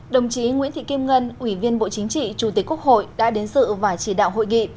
đồng chí nguyễn thị kim ngân ủy viên bộ chính trị chủ tịch quốc hội đã đến sự và chỉ đạo hội nghị